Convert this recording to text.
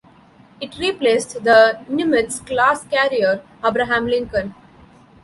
It replaced the "Nimitz"-class carrier, "Abraham Lincoln".